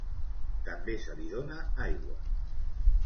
També se li dóna aigua.